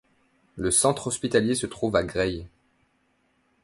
Le centre hospitalier se trouve à Gray.